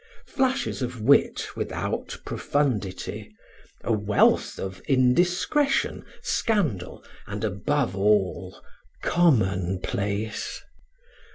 Flashes of wit without profundity, a wealth of indiscretion, scandal, and above all, commonplace.